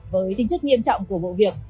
với tinh chất nghiêm trọng của vụ việc